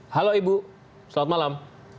halo ibu selamat malam